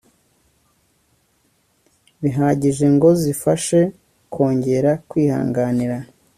bihagije ngo zibashe kongera kwihanganira